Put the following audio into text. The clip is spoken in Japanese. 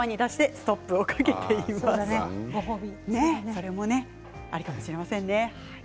それもありかもしれませんね。